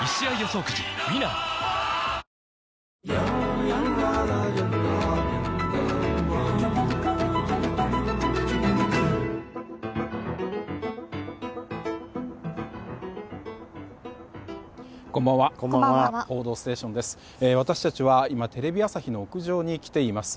「報道ステーション」です。